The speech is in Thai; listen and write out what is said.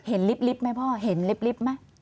เห็นลิปไหมพ่อเห็นลิปไหม